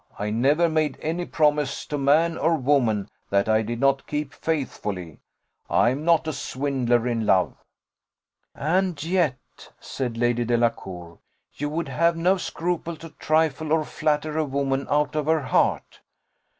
I never made any promise to man or woman that I did not keep faithfully. I am not a swindler in love." "And yet," said Lady Delacour, "you would have no scruple to trifle or flatter a woman out of her heart."